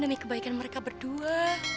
demi kebaikan mereka berdua